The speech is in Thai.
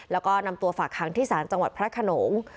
แล้วก็นำตัวฝากค้างที่ศาลจังหวัดพระขนง